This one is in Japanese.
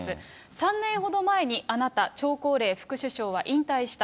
３年ほど前にあなた、張高麗副首相は引退した。